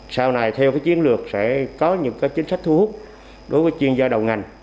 sau này theo cái chiến lược sẽ có những chính sách thu hút đối với chuyên gia đầu ngành